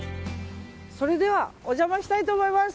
それではお邪魔したいと思います。